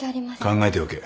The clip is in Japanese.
考えておけ。